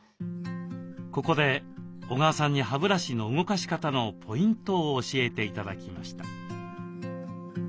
ここで小川さんに歯ブラシの動かし方のポイントを教えて頂きました。